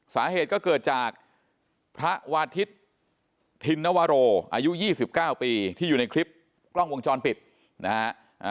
สาเหตุก็เกิดจากพระวาทิศธินนวโรอายุ๒๙ปีที่อยู่ในคลิปกล้องวงจรปิดนะฮะ